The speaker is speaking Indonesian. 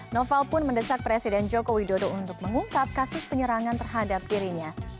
noval pun mendesak presiden joko widodo untuk mengungkap kasus penyerangan terhadap dirinya